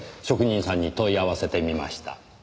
職人さんに問い合わせてみました。